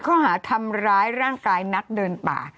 ข้อหาทำร้ายร่างกายนักเดินป่า